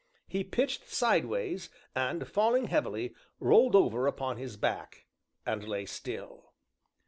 He pitched sideways, and, falling heavily, rolled over upon his back, and lay still.